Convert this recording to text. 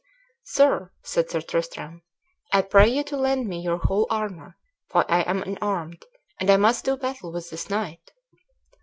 "Sir," said Sir Tristram, "I pray you to lend me your whole armor; for I am unarmed, and I must do battle with this knight."